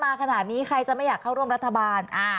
มาขนาดนี้ใครจะไม่อยากเข้าร่วมรัฐบาล